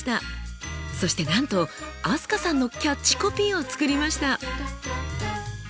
そしてなんと飛鳥さんのキャッチコピーを作りました。